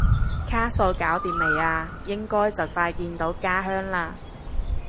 卡數搞掂未啊？應該就快見到家鄉啦？